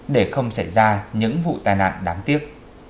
để không xảy ra những vụ tai nạn đáng tiếc